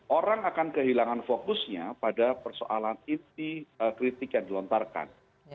orang akan kehilangan fokusnya pada persoalan inti kritik yang dilontarkan